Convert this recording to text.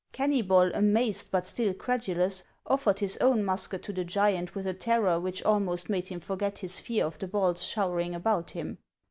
Kennybol, amazed, but still credulous, offered his own musket to the giant witli a terror which almost made him forget his fear of the balls showering about him.